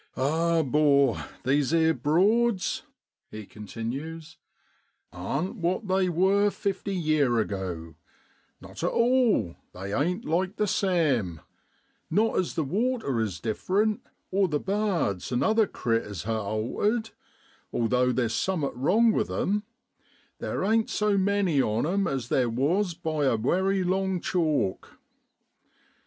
1 Ah ! 'bor, these 'ere Broads,' he continues, * aren't what they wor fifty yeer ago, not at all, they ain't like the same; not as the water is different, or the bards an' other critters ha' altered, although there's summat wrong with them, there ain't so many on 'em as there was by a wery long chalk.